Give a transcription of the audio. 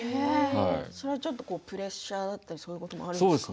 それは、ちょっとプレッシャーだったりそういうこともあるんですか？